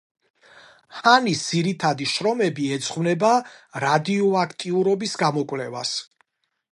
ჰანის ძირითადი შრომები ეძღვნება რადიოაქტიურობის გამოკვლევას.